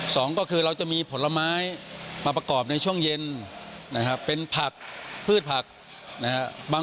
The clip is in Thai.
สองก็คือเราจะมีผลไม้มาประกอบในช่วงเย็นนะครับเป็นผักพืชผักนะฮะ